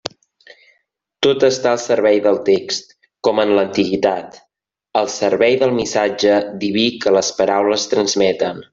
Tot està al servei del text, com en l'antiguitat; al servei del missatge diví que les paraules transmeten.